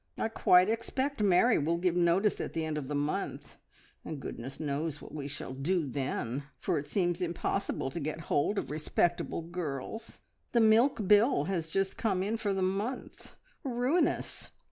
I quite expect Mary will give notice at the end of the month, and goodness knows what we shall do then, for it seems impossible to get hold of respectable girls. The milk bill has just come in for the month. Ruinous!